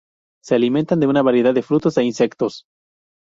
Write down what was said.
Se alimentan de una variedad de frutos e insectos.